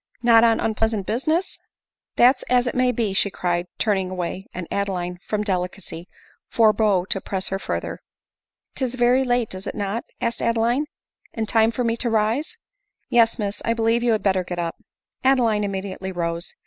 " Not on unpleasant business ?"" That 's as it may be," she cried, turning away ; and Adeline, from delicacy, forbore to press her further. *" "Ks very late — is it not ?" asked Adeline, " and time for mh to rise ?" u Yes, Miss — I believe you had better get up." Adeline immediately rose.